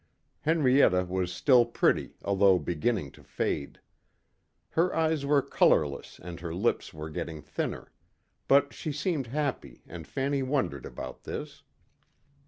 Henrietta was still pretty although beginning to fade. Her eyes were colorless and her lips were getting thinner. But she seemed happy and Fanny wondered about this.